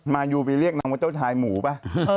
มายูไปเรียกนางว่าเจ้าทายหมูป่ะ